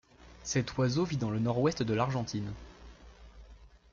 Cet oiseau vit dans le nord-ouest de l'Argentine.